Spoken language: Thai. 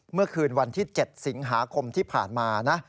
เมื่อคืนวันที่๗สิงหาคมที่ผ่านมานะ